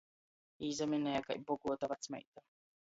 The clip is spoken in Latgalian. Īsaminēja kai boguota vacmeita.